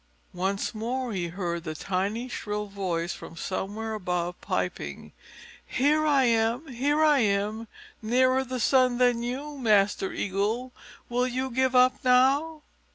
Once more he heard the tiny shrill voice from somewhere above piping, "Here I am, here I am, nearer the sun than you, Master Eagle. Will you give up now?"